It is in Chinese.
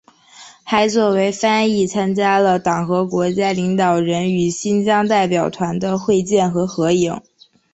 还作为翻译参加了党和国家领导人与新疆代表团的会见和合影。